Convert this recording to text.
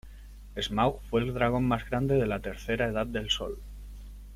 Smaug fue el dragón más grande de la Tercera Edad del Sol.